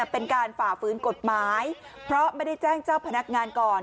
ฝ่าฝืนกฎหมายเพราะไม่ได้แจ้งเจ้าพนักงานก่อน